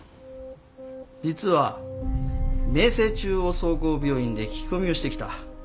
実は名星中央総合病院で聞き込みをしてきた。